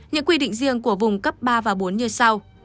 những quy định riêng của vùng cấp ba và bốn như sau